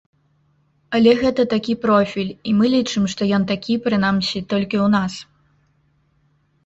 Але гэта такі профіль, і мы лічым, што ён такі, прынамсі, толькі ў нас.